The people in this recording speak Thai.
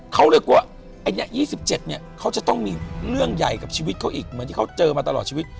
เขาเลยกลัวไอ้เนี่ย๒๗เนี่ยเขาจะต้องมีเรื่องใหญ่กับชีวิตเขาอีกเหมือนที่เขาเจอมาตลอดชีวิต